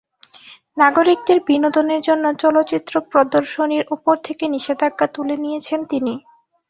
নাগরিকদের বিনোদনের জন্য চলচ্চিত্র প্রদর্শনীর ওপর থেকে নিষেধাজ্ঞা তুলে নিয়েছেন তিনি।